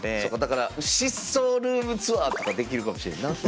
そっかだから疾走ルームツアーとかできるかもしれんな。